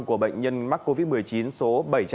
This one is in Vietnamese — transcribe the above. của bệnh nhân mắc covid một mươi chín số bảy trăm bốn mươi hai